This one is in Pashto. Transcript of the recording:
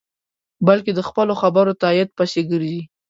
بلکې د خپلو خبرو تایید پسې گرځي.